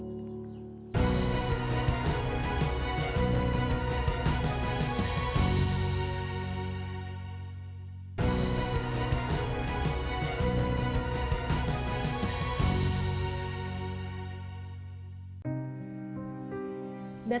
dari bps mencatat pada maret dua ribu dua puluh dua jumlah penduduk miskin di indonesia mencapai dua puluh enam